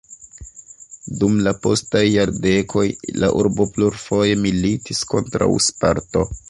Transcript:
Dum la postaj jardekoj la urbo plurfoje militis kontraŭ Sparto.